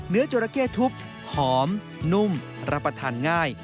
จราเข้ทุบหอมนุ่มรับประทานง่าย